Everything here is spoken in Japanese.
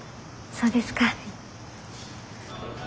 そうですか。